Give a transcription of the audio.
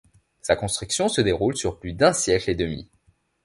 Sa construction se déroule sur plus d’un siècle et demi.